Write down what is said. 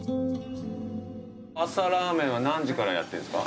朝ラーメンは何時からやってんすか？